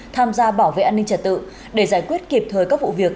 tham gia bảo vệ an ninh trật tự để giải quyết kịp thời các vụ việc